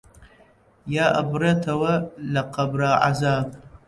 یا ئەبڕێتەوە لە قەبرا عەزاب